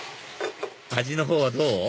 味のほうはどう？